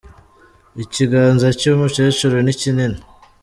Ikiganza cy'umukecuru ni kinini.